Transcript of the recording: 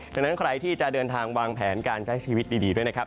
ดังนั้นใครที่จะเดินทางวางแผนการใช้ชีวิตดีด้วยนะครับ